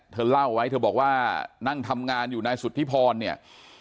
เธอเล่าไว้เธอบอกว่านั่งทำงานอยู่นายสุธิพรเนี่ย